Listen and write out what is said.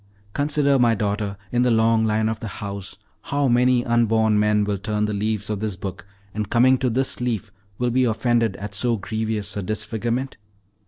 Consider, my daughter, in the long life of the house, how many unborn men will turn the leaves of this book, and coming to this leaf will be offended at so grievous a disfigurement!